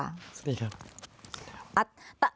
สวัสดีครับ